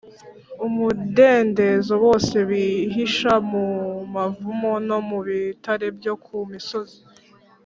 umudendezo bose bihisha mu mavumo no mu bitare byo ku misozi